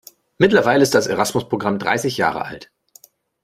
Mittlerweile ist das Erasmus-Programm dreißig Jahre alt.